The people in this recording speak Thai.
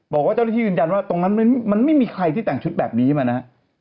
บอกว่าเจ้าหน้าที่ยืนยันว่าตรงนั้นมันไม่มีใครที่แต่งชุดแบบนี้มานะฮะ